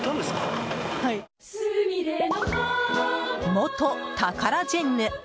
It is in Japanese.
元タカラジェンヌ！